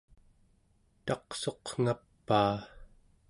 taqsuqngapaa